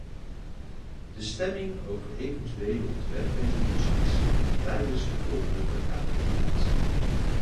De stemming over eventuele ontwerpresoluties vindt tijdens de volgende vergadering plaats.